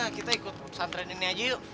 udah gak kita ikut pesantren ini aja yuk